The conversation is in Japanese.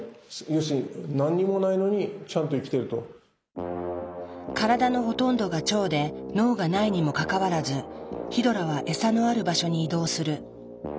要するに体のほとんどが腸で脳がないにもかかわらずヒドラはエサのある場所に移動する。